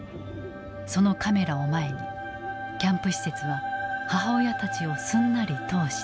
そのカメラを前にキャンプ施設は母親たちをすんなり通した。